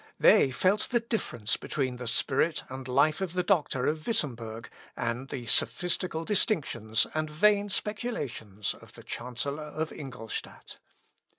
They felt the difference between the spirit and life of the doctor of Wittemberg, and the sophistical distinctions, and vain speculations, of the chancellor of Ingolstadt.